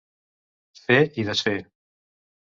Fer i desfer.